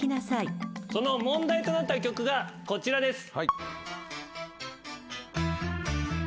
その問題となった曲がこちらです。